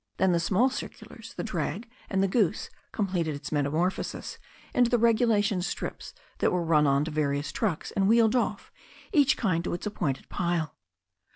Then the small circulars, the drag, and the goose completed its metamor phosis into the regulation strips that were run on to varioua trucks and wheeled off, each kind to its appointed pile.